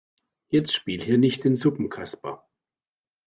Jetzt spiel hier nicht den Suppenkasper.